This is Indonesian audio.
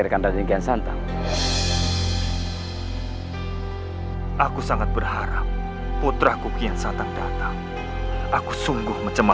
dan aku akan membawanya untukmu